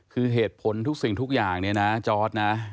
คือเหตุผลทุกสิ่งทุกอย่างเนี่ยนะจอร์ดนะ